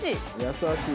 優しい。